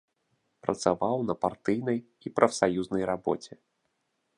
Працаваў на партыйнай і прафсаюзнай рабоце.